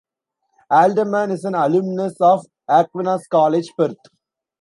Alderman is an alumnus of Aquinas College, Perth.